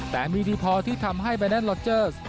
แต่มีดีพอที่ทำให้ใบแนนลอเจอร์